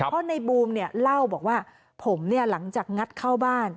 เพราะในบูมเนี่ยเล่าบอกว่าผมเนี่ยหลังจากงัดเข้าบ้าน